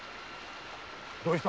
どうした？